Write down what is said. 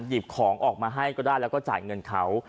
หยิบของออกมาให้ก็ได้แล้วก็จ่ายเงินเขา